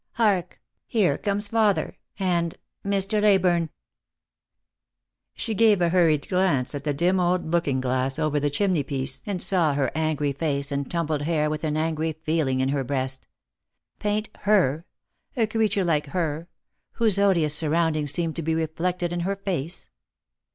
Hark, here comes father — and — Mr. Leyburne." She gave a hurried glance at the dim old looking glass over the chimney piece, and saw her angry face and tumbled hair 62 Lost for Love. with an angry feeling in her breast. Paint her — a creature like her — whose odious suroundings seemed to he reflected in her face